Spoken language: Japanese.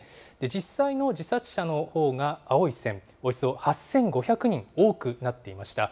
実際の自殺者のほうが青い線、およそ８５００人多くなっていました。